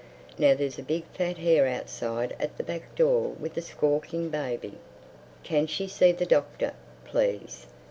Now there's a big fat hare outside at the back door with a squawking baby. Can she see the Doctor, please!